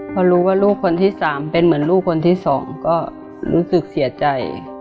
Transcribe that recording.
พอรู้ว่าลูกคนที่๓เป็นเหมือนลูกคนที่๒ก็รู้สึกเสียใจ